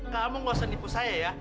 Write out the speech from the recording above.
kamu gak usah nipu saya ya